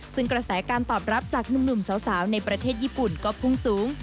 ซึ่งกระแสการตอบรับจากหนุ่มสาวในประเทศญี่ปุ่นก็พุ่งสูง